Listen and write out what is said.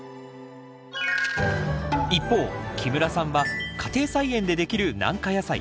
一方木村さんは家庭菜園でできる軟化野菜。